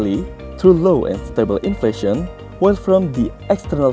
melalui inflasi yang rendah dan stabil